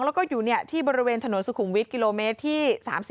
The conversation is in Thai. แล้วก็อยู่ที่บริเวณถนนสุขุมวิทย์กิโลเมตรที่๓๔